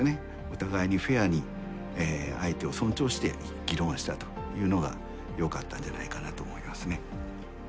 お互いにフェアに相手を尊重して議論したというのがよかったんじゃないかなと思いますね。